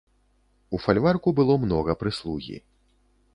У фальварку было многа прыслугі.